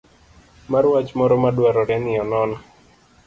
mar wach moro ma dwarore ni onon